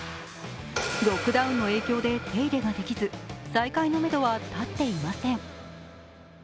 ロックダウンの影響で手入れができず再開のめどは立っていません。